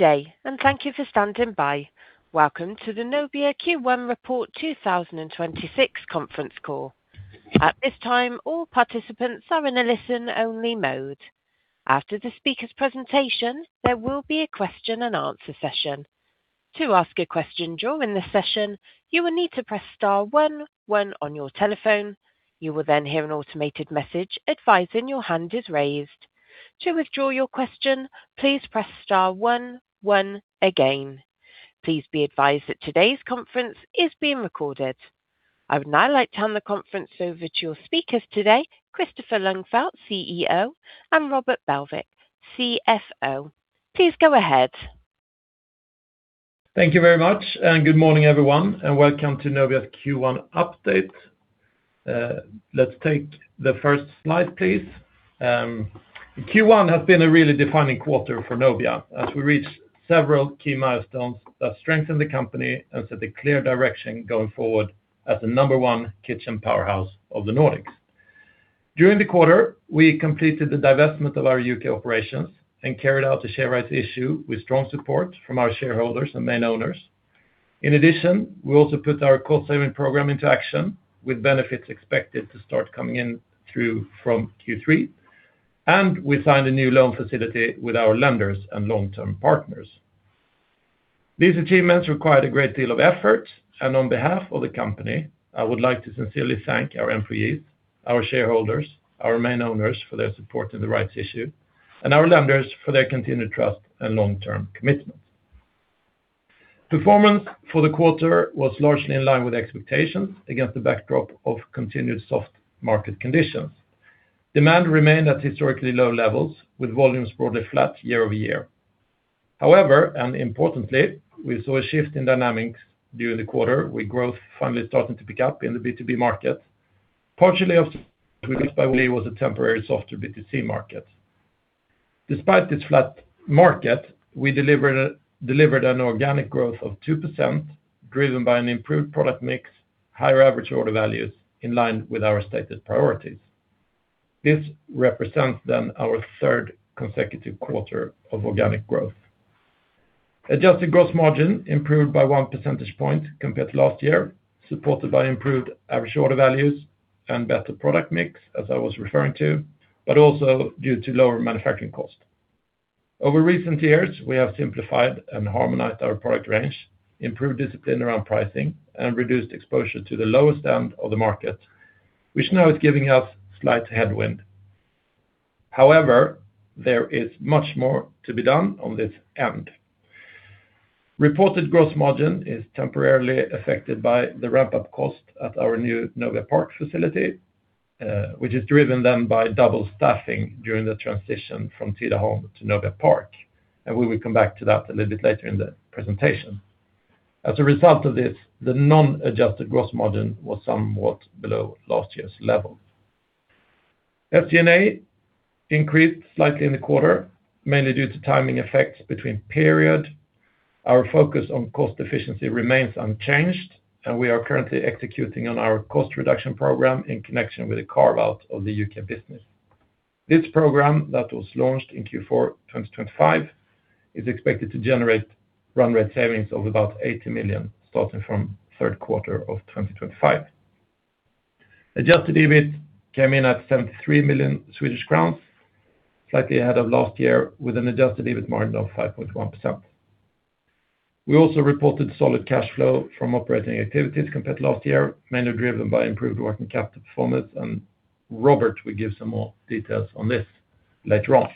Day, and thank you for standing by. Welcome to the Nobia Q1 Report 2026 conference call. At this time, all participants are in a listen-only mode. After the speaker's presentation, there will be a question and answer session. To ask a question during the session, you will need to press star one, one on your telephone. You will then hear an automated message advising your hand is raised. To withdraw your question, please press star one, one again. Please be advised that today's conference is being recorded. I would now like to hand the conference over to your speakers today, Kristoffer Ljungfelt, CEO, and Robert Belkic, CFO. Please go ahead. Thank you very much, and good morning, everyone, and welcome to Nobia's Q1 update. Let's take the first slide, please. Q1 has been a really defining quarter for Nobia as we reach several key milestones that strengthen the company and set the clear direction going forward as the number one kitchen powerhouse of the Nordics. During the quarter, we completed the divestment of our U.K. operations and carried out the share rights issue with strong support from our shareholders and main owners. In addition, we also put our cost-saving program into action, with benefits expected to start coming in through from Q3, and we signed a new loan facility with our lenders and long-term partners. These achievements required a great deal of effort, and on behalf of the company, I would like to sincerely thank our employees, our shareholders, our main owners for their support in the rights issue, and our lenders for their continued trust and long-term commitment. Performance for the quarter was largely in line with expectations against the backdrop of continued soft market conditions. Demand remained at historically low levels, with volumes broadly flat year-over-year. However, and importantly, we saw a shift in dynamics during the quarter, with growth finally starting to pick up in the B2B market, partially offset by what was a temporary softer B2C market. Despite this flat market, we delivered an organic growth of 2% driven by an improved product mix, higher average order values in line with our stated priorities. This represents then our third consecutive quarter of organic growth. Adjusted gross margin improved by 1 percentage point compared to last year, supported by improved average order values and better product mix as I was referring to, but also due to lower manufacturing cost. Over recent years, we have simplified and harmonized our product range, improved discipline around pricing, and reduced exposure to the lowest end of the market, which now is giving us slight headwind. However, there is much more to be done on this end. Reported gross margin is temporarily affected by the ramp-up cost at our new Nobia Park facility, which is driven then by double staffing during the transition from Tidaholm to Nobia Park. We will come back to that a little bit later in the presentation. As a result of this, the non-adjusted gross margin was somewhat below last year's level. FCNA increased slightly in the quarter, mainly due to timing effects between periods. Our focus on cost efficiency remains unchanged. We are currently executing on our cost reduction program in connection with the carve-out of the U.K. business. This program that was launched in Q4 2025 is expected to generate run rate savings of about 80 million, starting from Q3 of 2025. Adjusted EBIT came in at 73 million Swedish crowns, slightly ahead of last year with an adjusted EBIT margin of 5.1%. We also reported solid cash flow from operating activities compared to last year, mainly driven by improved working capital performance. Robert will give some more details on this later on.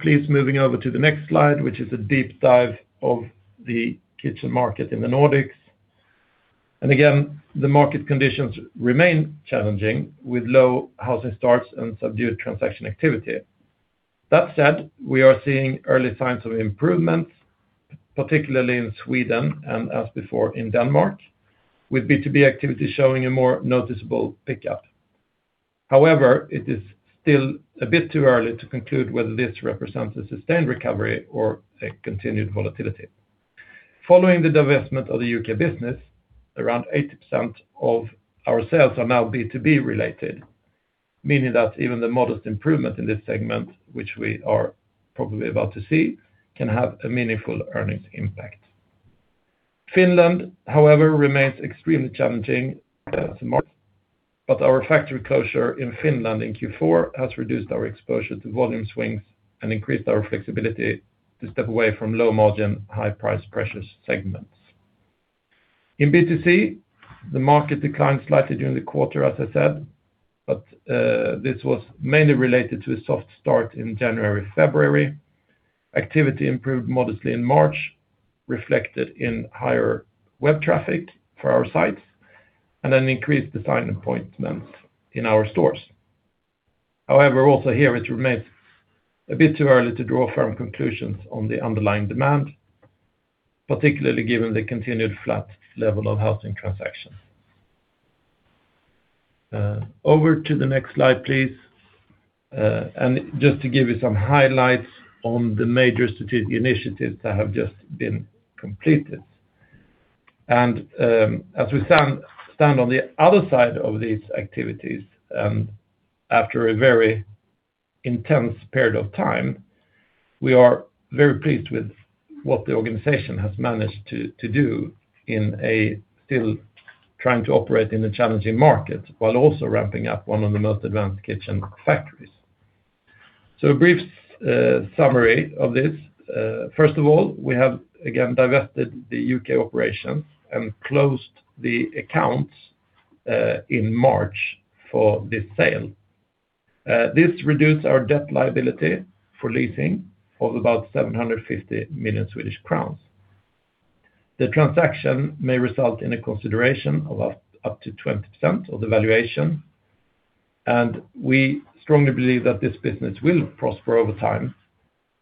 Please moving over to the next slide, which is a deep dive of the kitchen market in the Nordics. Again, the market conditions remain challenging with low housing starts and subdued transaction activity. That said, we are seeing early signs of improvement, particularly in Sweden and as before in Denmark, with B2B activity showing a more noticeable pickup. It is still a bit too early to conclude whether this represents a sustained recovery or a continued volatility. Following the divestment of the U.K. business, around 80% of our sales are now B2B related, meaning that even the modest improvement in this segment, which we are probably about to see, can have a meaningful earnings impact. Finland remains extremely challenging as a market, but our factory closure in Finland in Q4 has reduced our exposure to volume swings and increased our flexibility to step away from low margin, high price precious segments. In B2C, the market declined slightly during the quarter, as I said, but this was mainly related to a soft start in January, February. Activity improved modestly in March, reflected in higher web traffic for our sites and an increased design appointment in our stores. However, also here it remains a bit too early to draw firm conclusions on the underlying demand, particularly given the continued flat level of housing transactions. Over to the next slide, please. Just to give you some highlights on the major strategic initiatives that have just been completed. As we stand on the other side of these activities, after a very intense period of time, we are very pleased with what the organization has managed to do in a still trying to operate in a challenging market while also ramping up one of the most advanced kitchen factories. A brief summary of this. First of all, we have again divested the U.K. operations and closed the accounts in March for this sale. This reduced our debt liability for leasing of about 750 million Swedish crowns. The transaction may result in a consideration of up to 20% of the valuation, and we strongly believe that this business will prosper over time,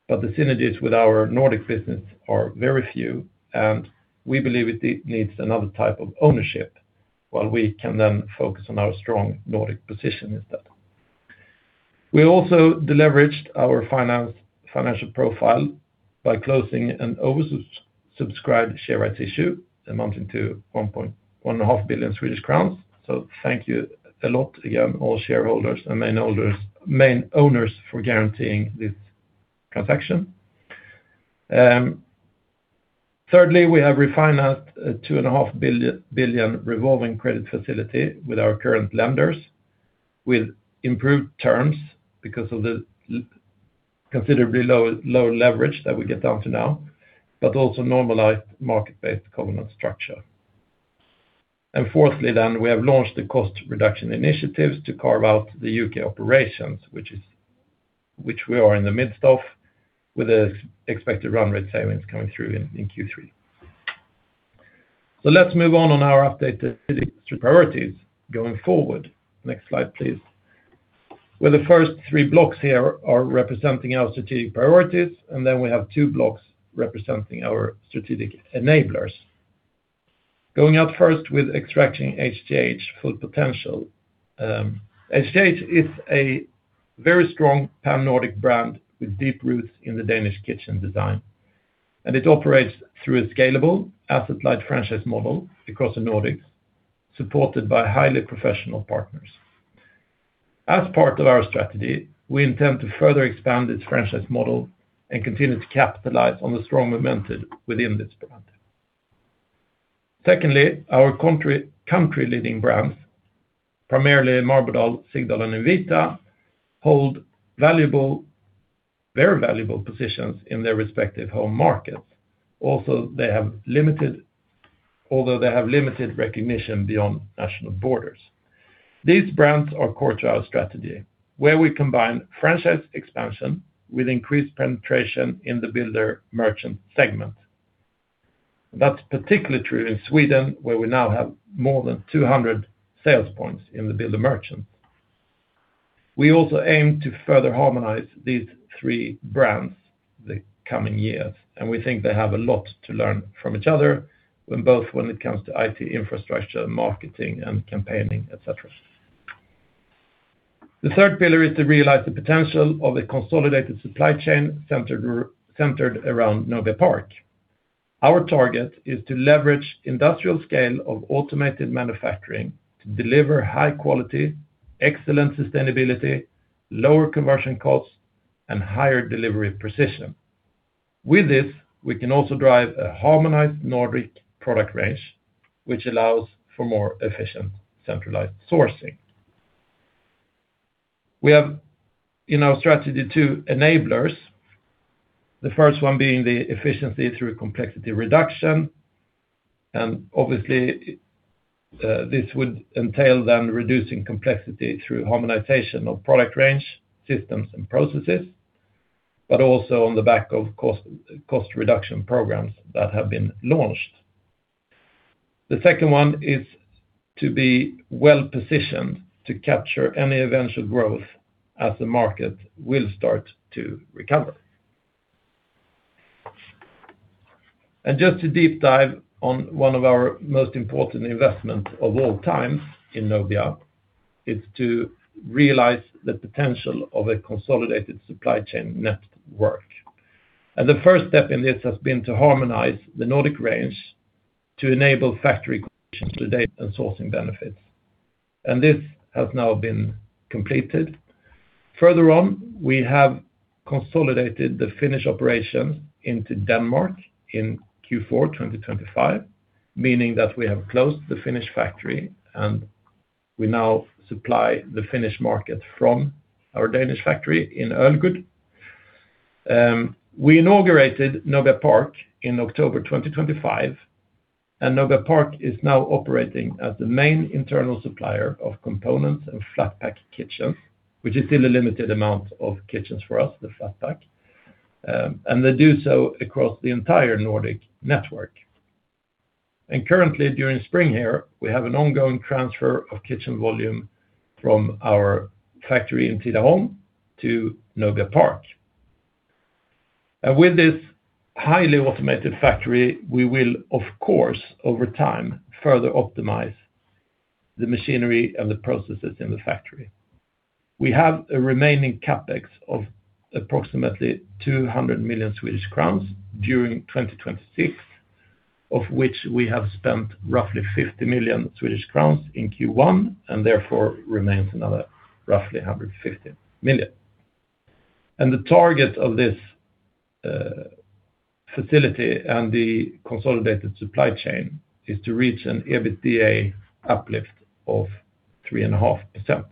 but the synergies with our Nordic business are very few, and we believe it needs another type of ownership, while we can then focus on our strong Nordic position instead. We also deleveraged our financial profile by closing an oversubscribed share rights issue amounting to 1.5 Swedish crowns. Thank you a lot again, all shareholders and main owners for guaranteeing this transaction. Thirdly, we have refinanced 2.5 billion revolving credit facility with our current lenders with improved terms because of the considerably lower leverage that we get down to now, but also normalized market-based covenant structure. Fourthly, then, we have launched the cost reduction initiatives to carve out the U.K. operations, which we are in the midst of, with the expected run rate savings coming through in Q3. Let's move on our updated strategic priorities going forward. Next slide, please. With the first three blocks here are representing our strategic priorities, and then we have two blocks representing our strategic enablers. Going out first with extracting HTH's full potential. HTH is a very strong Pan-Nordic brand with deep roots in the Danish kitchen design, and it operates through a scalable asset-light franchise model across the Nordics, supported by highly professional partners. As part of our strategy, we intend to further expand its franchise model and continue to capitalize on the strong momentum within this brand. Secondly, our country leading brands, primarily Marbodal, Sigdal and Invita, hold very valuable positions in their respective home markets. Although they have limited recognition beyond national borders. These brands are core to our strategy, where we combine franchise expansion with increased penetration in the builder merchant segment. That's particularly true in Sweden, where we now have more than 200 sales points in the builder merchant. We also aim to further harmonize these three brands the coming years, and we think they have a lot to learn from each other, when it comes to IT infrastructure, marketing and campaigning, et cetera. The third pillar is to realize the potential of a consolidated supply chain centered around Nobia Park. Our target is to leverage industrial scale of automated manufacturing to deliver high quality, excellent sustainability, lower conversion costs, and higher delivery precision. With this, we can also drive a harmonized Nordic product range, which allows for more efficient centralized sourcing. We have in our strategy two enablers. The first one being the efficiency through complexity reduction, and obviously, this would entail then reducing complexity through harmonization of product range, systems and processes, but also on the back of cost reduction programs that have been launched. The second one is to be well-positioned to capture any eventual growth as the market will start to recover. Just to deep dive on one of our most important investments of all time in Nobia is to realize the potential of a consolidated supply chain network. The first step in this has been to harmonize the Nordic range to enable factory consolidation and sourcing benefits. This has now been completed. Further on, we have consolidated the Finnish operations into Denmark in Q4 2025, meaning that we have closed the Finnish factory, and we now supply the Finnish market from our Danish factory in Ølgod. We inaugurated Nobia Park in October 2025, and Nobia Park is now operating as the main internal supplier of components and flat-pack kitchens, which is still a limited amount of kitchens for us, the flat-pack, and they do so across the entire Nordic network. Currently, during spring here, we have an ongoing transfer of kitchen volume from our factory in Tidaholm to Nobia Park. With this highly automated factory, we will, of course, over time, further optimize the machinery and the processes in the factory. We have a remaining CapEx of approximately 200 million Swedish crowns during 2026, of which we have spent roughly 50 million Swedish crowns in Q1, and therefore remains another roughly 150 million. The target of this facility and the consolidated supply chain is to reach an EBITDA uplift of 3.5%.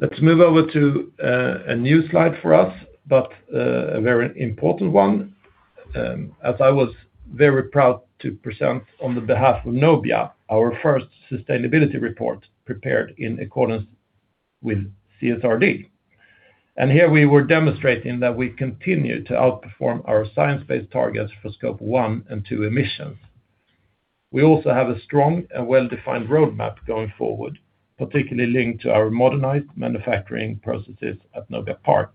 Let's move over to a new slide for us, but a very important one. As I was very proud to present on the behalf of Nobia, our first sustainability report prepared in accordance with CSRD. Here we were demonstrating that we continue to outperform our science-based targets for scope 1 and 2 emissions. We also have a strong and well-defined roadmap going forward, particularly linked to our modernized manufacturing processes at Nobia Park.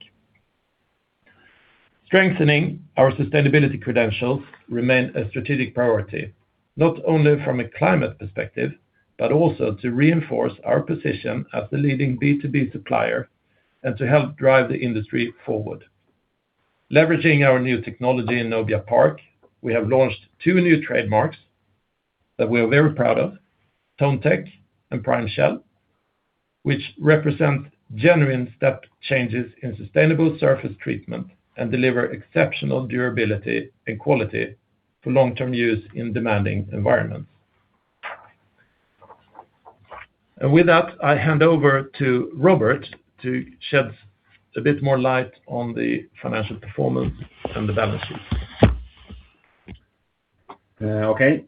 Strengthening our sustainability credentials remain a strategic priority, not only from a climate perspective, but also to reinforce our position as the leading B2B supplier and to help drive the industry forward. Leveraging our new technology in Nobia Park, we have launched two new trademarks that we are very proud of, Tonetech and Primeshell, which represent genuine step changes in sustainable surface treatment and deliver exceptional durability and quality for long-term use in demanding environments. With that, I hand over to Robert to shed a bit more light on the financial performance and the balance sheet. Okay.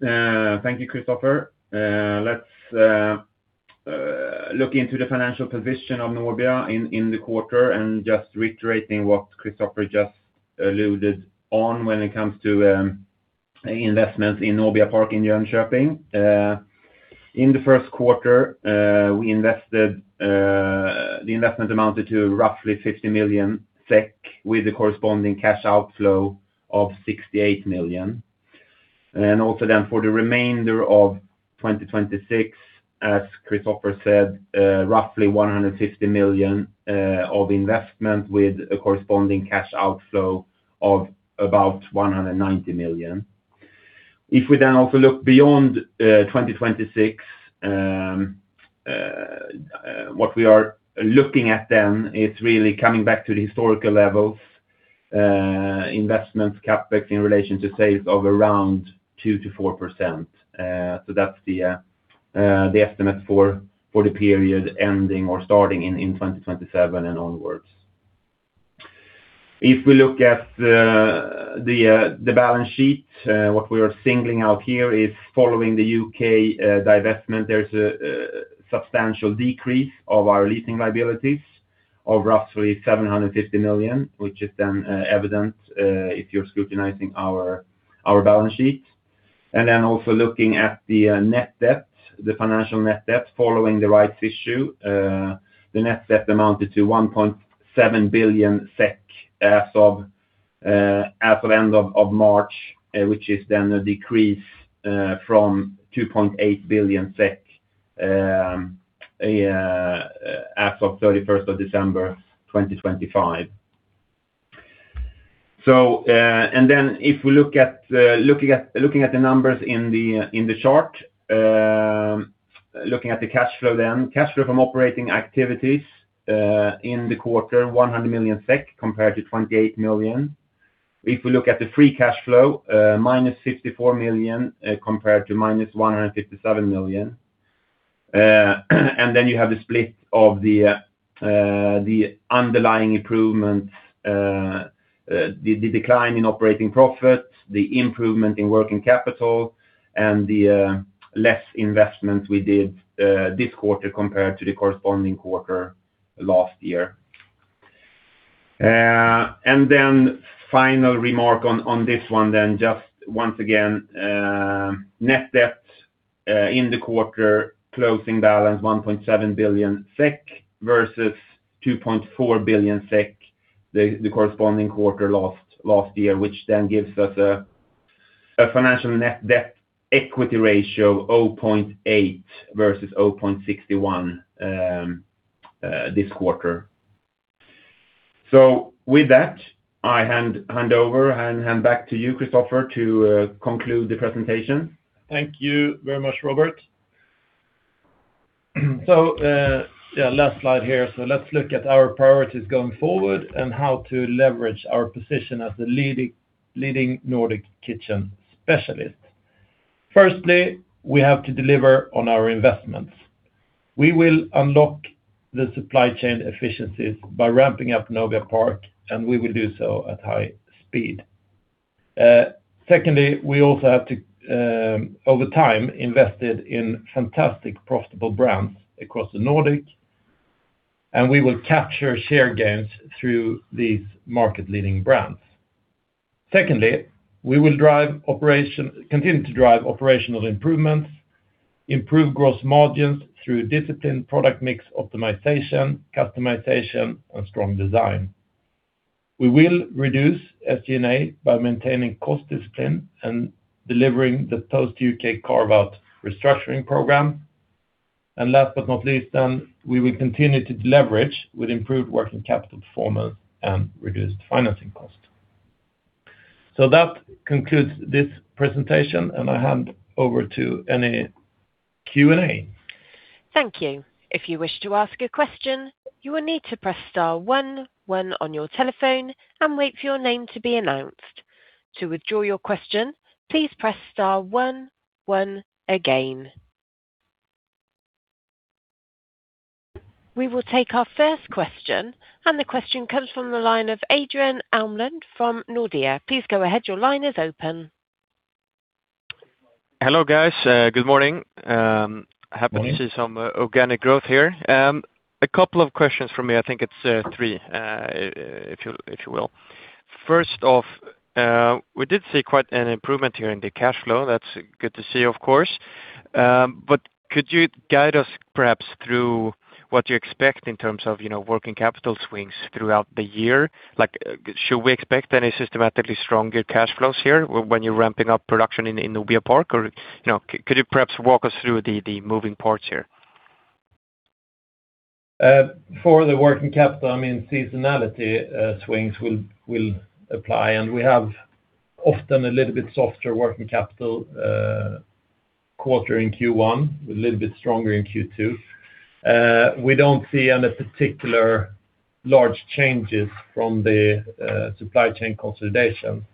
Thank you, Kristoffer. Let's look into the financial position of Nobia in the quarter and just reiterating what Kristoffer just alluded on when it comes to investment in Nobia Park in Jönköping. In the Q1, the investment amounted to roughly 50 million SEK with the corresponding cash outflow of 68 million. Also then for the remainder of 2026, as Kristoffer said, roughly 150 million of investment with a corresponding cash outflow of about 190 million. If we then also look beyond 2026, what we are looking at then is really coming back to the historical levels, investments CapEx in relation to sales of around 2%-4%. That's the estimate for the period ending or starting in 2027 and onwards. If we look at the balance sheet, what we are singling out here is following the U.K. divestment, there's a substantial decrease of our leasing liabilities of roughly 750 million, which is then evident if you're scrutinizing our balance sheet. Also looking at the net debt, the financial net debt following the rights issue, the net debt amounted to 1.7 billion SEK as of end of March, which is then a decrease from 2.8 billion SEK as of December 31st, 2025. If we look at the numbers in the chart, looking at the cash flow then, cash flow from operating activities in the quarter, 100 million SEK compared to 28 million. If we look at the free cash flow, minus 54 million compared to minus 157 million. You have the split of the underlying improvements, the decline in operating profit, the improvement in working capital, and the less investment we did this quarter compared to the corresponding quarter last year. Final remark on this one then, just once again, net debt in the quarter closing balance 1.7 billion SEK versus 2.4 billion SEK, the corresponding quarter last year, which then gives us a financial net debt equity ratio of 0.8 versus 0.61 this quarter. With that, I hand back to you, Kristoffer, to conclude the presentation. Thank you very much, Robert. Last slide here. Let's look at our priorities going forward and how to leverage our position as the leading Nordic kitchen specialist. Firstly, we have to deliver on our investments. We will unlock the supply chain efficiencies by ramping up Nobia Park, and we will do so at high speed. Secondly, we also have to, over time, invest in fantastic profitable brands across the Nordic, and we will capture share gains through these market-leading brands. Secondly, we will continue to drive operational improvements, improve gross margins through disciplined product mix optimization, customization, and strong design. We will reduce SG&A by maintaining cost discipline and delivering the post U.K. carve out restructuring program. Last but not least, we will continue to leverage with improved working capital performance and reduced financing costs. That concludes this presentation, and I hand over to any Q&A. Thank you. We will take our first question, and the question comes from the line of Adrian Elmlund from Nordea. Hello, guys. good morning. Morning to see some organic growth here. A couple of questions from me. I think it's three, if you will. First off, we did see quite an improvement here in the cash flow. That's good to see, of course. Could you guide us perhaps through what you expect in terms of, you know, working capital swings throughout the year? Like, should we expect any systematically stronger cash flows here when you're ramping up production in Nobia Park? You know, could you perhaps walk us through the moving parts here? For the working capital, I mean, seasonality swings will apply, and we have often a little bit softer working capital quarter in Q1, a little bit stronger in Q2. We don't see any particular large changes from the supply chain consolidation.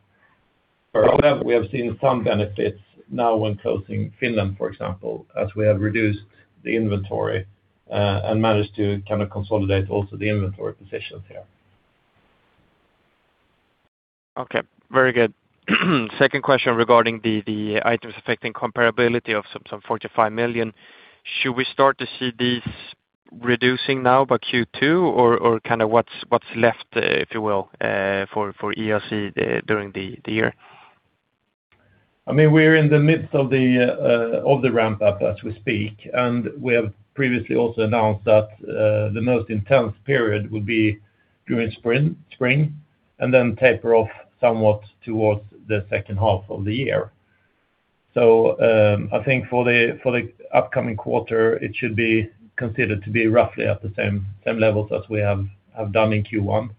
However, we have seen some benefits now when closing Finland, for example, as we have reduced the inventory and managed to kind of consolidate also the inventory positions here. Okay. Very good. Second question regarding the items affecting comparability of 45 million. Should we start to see these reducing now by Q2 or kind of what's left, if you will, for IAC during the year? I mean, we're in the midst of the of the ramp up as we speak, and we have previously also announced that the most intense period would be during spring, and then taper off somewhat towards the H2 of the year. I think for the for the upcoming quarter, it should be considered to be roughly at the same levels as we have done in Q1,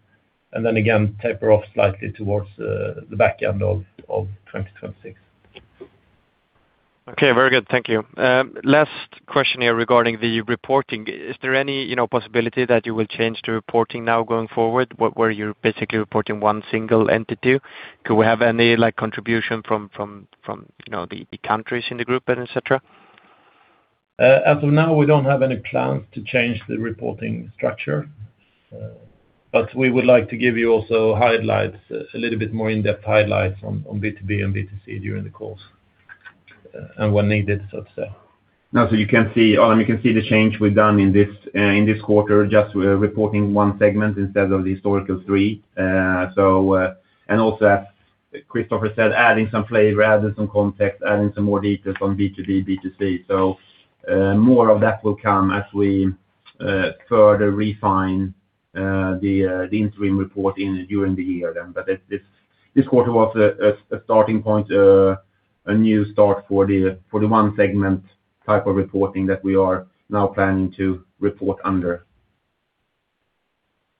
and then again, taper off slightly towards the back end of 2026. Okay. Very good. Thank you. Last question here regarding the reporting. Is there any, you know, possibility that you will change the reporting now going forward where you're basically reporting one single entity? Could we have any, like, contribution from, you know, the countries in the group, et cetera? As of now, we don't have any plans to change the reporting structure. We would like to give you also highlights, a little bit more in-depth highlights on B2B and B2C during the calls, and when needed, so to say. No. You can see the change we've done in this, in this quarter, just we're reporting one segment instead of the historical three. Also, Kristoffer said, adding some flavor, adding some context, adding some more details on B2B, B2C. More of that will come as we further refine the interim report during the year. This quarter was a starting point, a new start for the one segment type of reporting that we are now planning to report under.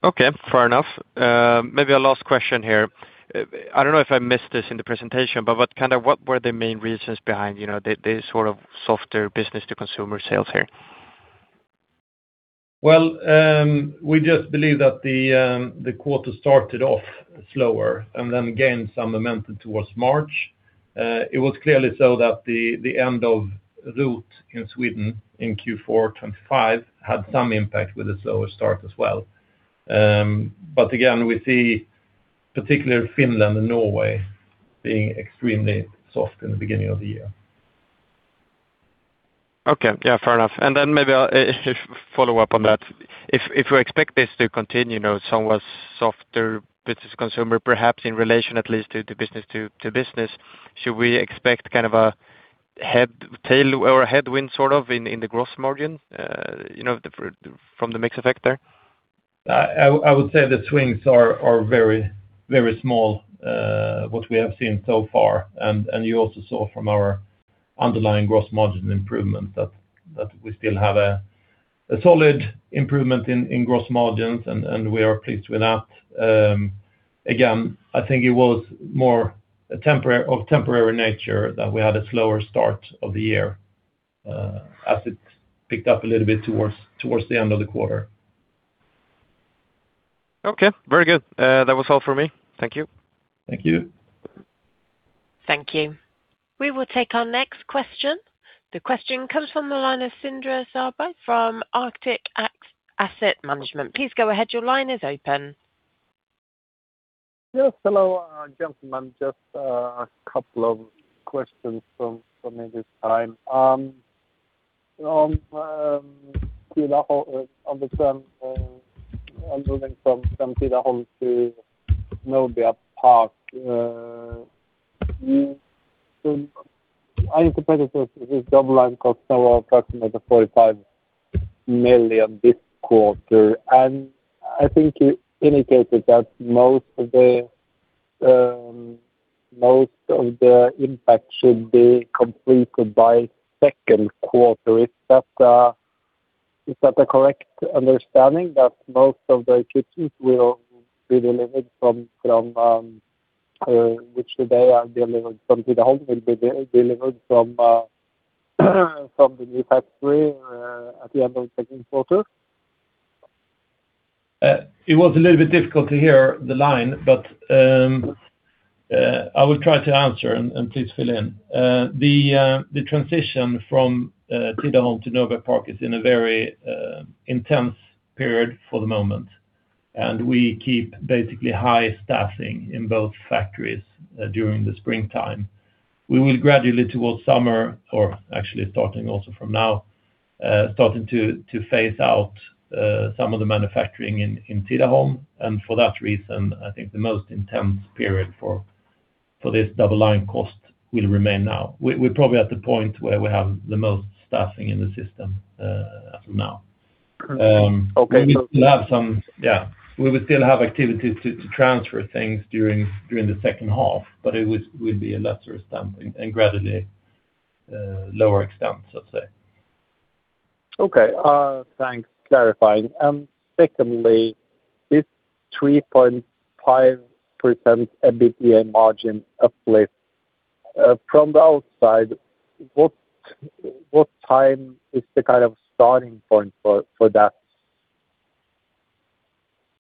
Okay. Fair enough. Maybe a last question here. I don't know if I missed this in the presentation, but what were the main reasons behind, you know, the sort of softer business to consumer sales here? Well, we just believe that the quarter started off slower and then gained some momentum towards March. It was clearly so that the end of ROT in Sweden in Q4 2025 had some impact with a slower start as well. Again, we see particularly Finland and Norway being extremely soft in the beginning of the year. Okay. Yeah, fair enough. Then maybe a follow-up on that. If we expect this to continue, you know, somewhat softer business consumer, perhaps in relation at least to the business to business, should we expect kind of a tailwind or a headwind sort of in the gross margin, you know, from the mix effect there? I would say the swings are very, very small, what we have seen so far. You also saw from our underlying gross margin improvement that we still have a solid improvement in gross margins, and we are pleased with that. Again, I think it was more of temporary nature that we had a slower start of the year, as it picked up a little bit towards the end of the quarter. Okay. Very good. That was all for me. Thank you. Thank you. Thank you. We will take our next question. The question comes from the line of Sindre Sørbye from Arctic Asset Management. Please go ahead. Your line is open. Yes. Hello, gentlemen. Just a couple of questions from me this time. From Tidaholm, understand moving from Tidaholm to Nobia Park. I interpret it, this bottom line cost now approximately 45 million this quarter. I think you indicated that most of the impact should be completed by Q2. Is that a correct understanding that most of the kitchens will be delivered from Tidaholm will be delivered from the new factory at the end of Q2? It was a little bit difficult to hear the line. I will try to answer and please fill in. The transition from Tidaholm to Nobia Park is in a very intense period for the moment, and we keep basically high staffing in both factories during the springtime. We will gradually towards summer, or actually starting also from now, starting to phase out some of the manufacturing in Tidaholm. For that reason, I think the most intense period for this double line cost will remain now. We're probably at the point where we have the most staffing in the system as of now. Okay. Yeah. We will still have activity to transfer things during the H2, but it will be a lesser extent and gradually lower extent, let's say. Okay. Thanks. Clarifying. Secondly, this 3.5% EBITDA margin uplift, from the outside, what time is the kind of starting point for that?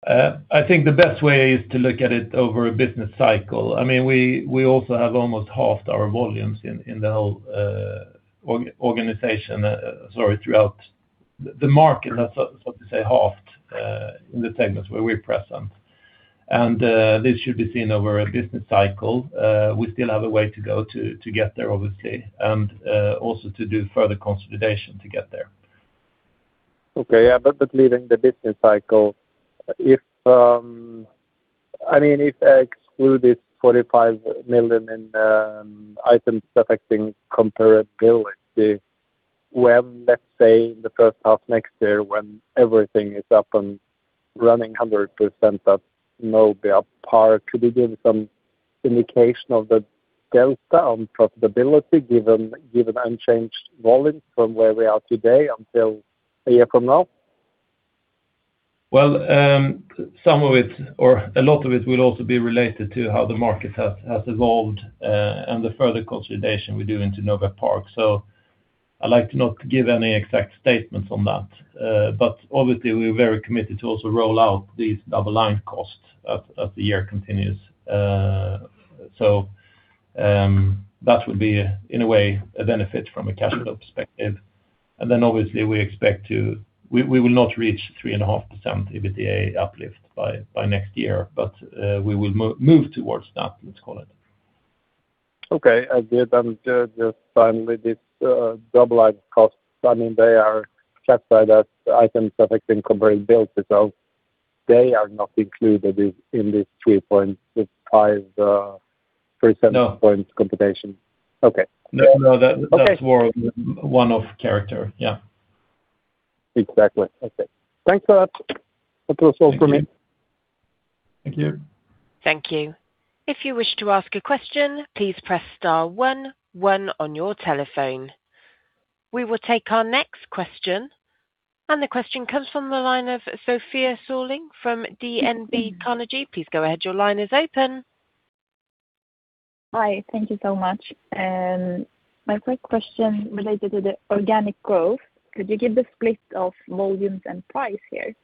I think the best way is to look at it over a business cycle. I mean, we also have almost halved our volumes in the whole organization, sorry, throughout the market, let's say halved, in the segments where we're present. This should be seen over a business cycle. We still have a way to go to get there, obviously, and also to do further consolidation to get there. Okay. Yeah. Leaving the business cycle, if, I mean, if I exclude this 45 million in Items Affecting Comparability, when, let's say in the H1 next year when everything is up and running 100% at Nobia Park, could you give some indication of the delta on profitability given unchanged volumes from where we are today until a year from now? Well, some of it or a lot of it will also be related to how the market has evolved and the further consolidation we do into Nobia Park. I like to not give any exact statements on that. Obviously, we're very committed to also roll out these double line costs as the year continues. That would be in a way a benefit from a capital perspective. Obviously, we will not reach 3.5% EBITDA uplift by next year, but we will move towards that, let's call it. Okay. I did. Just finally, this double line costs, I mean, they are kept by the Items Affecting Comparability. They are not included in this 3.5%, 3%- No. -points computation. Okay. No, no. Okay. That's more one-off character. Yeah. Exactly. Okay. Thanks for that. That was all for me. Thank you. Thank you. If you wish to ask a question, please press star one one on your telephone. We will take our next question. The question comes from the line of Sofia Sörling from DNB Carnegie. Please go ahead. Your line is open. Hi. Thank you so much. My quick question related to the organic growth. Could you give the split of volumes and price here?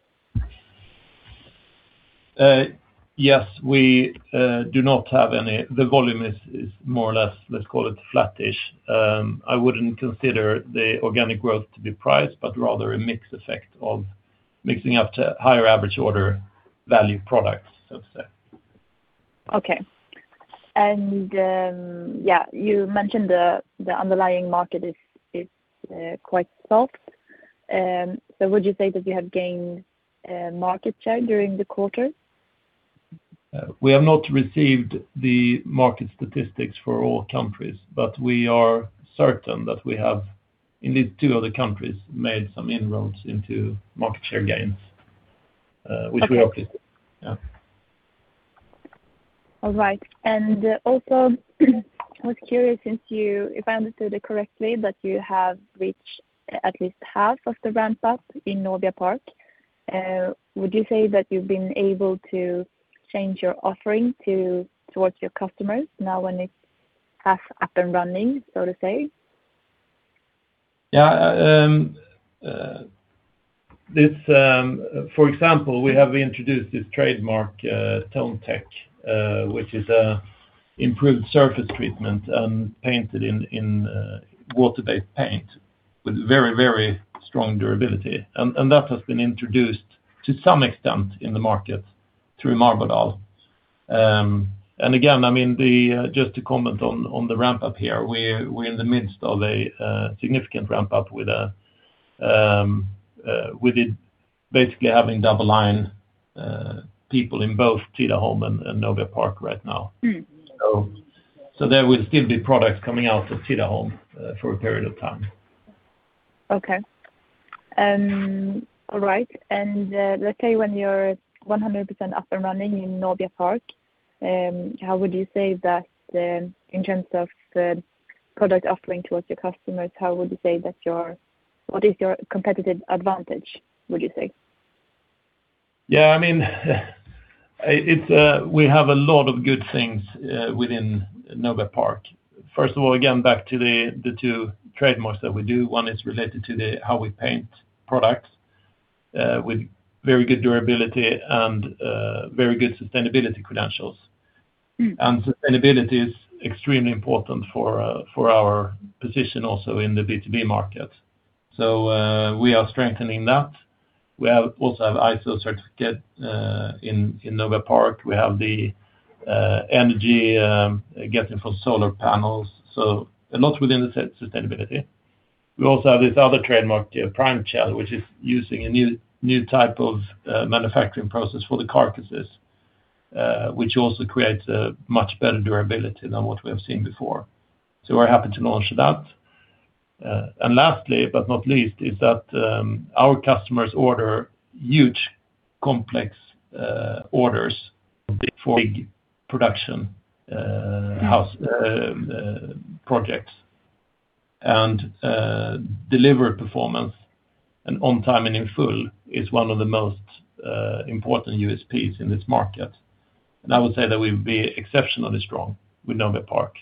Yes. We do not have any. The volume is more or less, let's call it flattish. I wouldn't consider the organic growth to be price, but rather a mix effect of mixing up to higher average order value products, let's say. Okay. Yeah, you mentioned the underlying market is, quite soft. Would you say that you have gained market share during the quarter? We have not received the market statistics for all countries, but we are certain that we have, in these two other countries, made some inroads into market share gains. Okay. Which we are pleased with. Yeah. All right. Also I was curious since if I understood it correctly, that you have reached at least half of the ramp up in Nobia Park. Would you say that you've been able to change your offering to, towards your customers now when it's half up and running, so to say? Yeah. This, for example, we have introduced this trademark, Tonetech, which is improved surface treatment and painted in water-based paint with very, very strong durability. That has been introduced to some extent in the market through Marbodal. Again, I mean, the just to comment on the ramp up here, we're in the midst of a significant ramp up with basically having double line people in both Tidaholm and Nobia Park right now. There will still be products coming out of Tidaholm, for a period of time. Okay. All right. Let's say when you're 100% up and running in Nobia Park, how would you say that, in terms of the product offering towards your customers, what is your competitive advantage, would you say? Yeah, I mean, it's, we have a lot of good things within Nobia Park. First of all, again, back to the two trademarks that we do. One is related to the, how we paint products with very good durability and very good sustainability credentials. Sustainability is extremely important for our position also in the B2B market. We are strengthening that. We also have ISO certificate in Nobia Park. We have the energy getting from solar panels, a lot within the sustainability. We also have this other trademark, the PrimeShell, which is using a new type of manufacturing process for the carcasses, which also creates a much better durability than what we have seen before. We're happy to launch that. Lastly, but not least, is that our customers order huge complex orders for big production house projects. Delivery performance and on time and in full is one of the most important USPs in this market. I would say that we'll be exceptionally strong with Nobia Park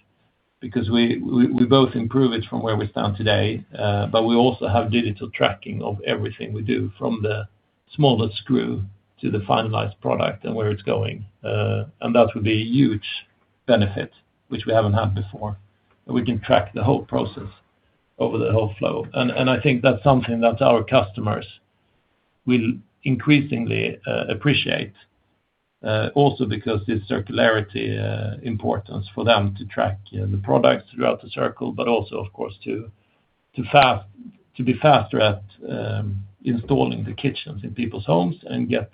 because we both improve it from where we stand today, but we also have digital tracking of everything we do from the smallest screw to the finalized product and where it's going. That will be a huge benefit, which we haven't had before. We can track the whole process over the whole flow. I think that's something that our customers will increasingly appreciate, also because this circularity importance for them to track, you know, the products throughout the circle, but also of course to be faster at installing the kitchens in people's homes and get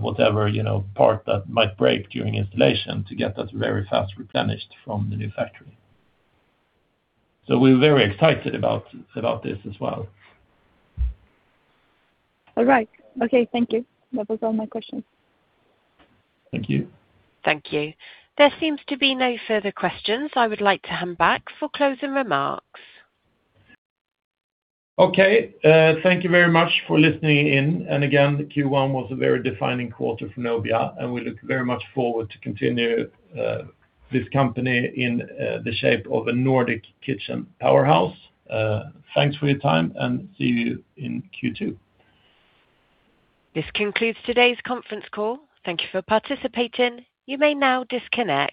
whatever, you know, part that might break during installation to get that very fast replenished from the new factory. We're very excited about this as well. All right. Okay. Thank you. That was all my questions. Thank you. Thank you. There seems to be no further questions. I would like to hand back for closing remarks. Okay. Thank you very much for listening in. Again, the Q1 was a very defining quarter for Nobia, and we look very much forward to continue this company in the shape of a Nordic kitchen powerhouse. Thanks for your time, and see you in Q2. This concludes today's conference call. Thank you for participating. You may now disconnect.